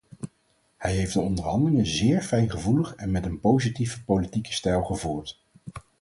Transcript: Hij heeft de onderhandelingen zeer fijngevoelige en met een positieve politieke stijl gevoerd.